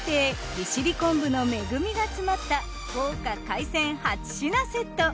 利尻昆布の恵みが詰まった豪華海鮮８品セット。